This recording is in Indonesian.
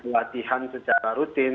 latihan secara rutin